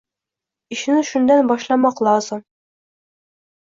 Ishni shundan boshlamoq lozim.